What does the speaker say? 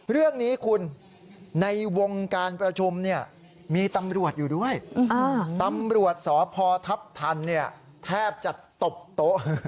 เรื่องนี้คุณในวงการประชุมเนี่ยมีตำรวจอยู่ด้วยตำรวจสพทัพทันเนี่ยแทบจะตบโต๊ะ